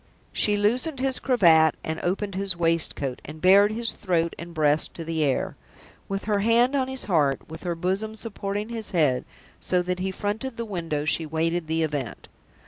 She loosened his cravat and opened his waistcoat, and bared his throat and breast to the air. With her hand on his heart, with her bosom supporting his head, so that he fronted the window, she waited the event.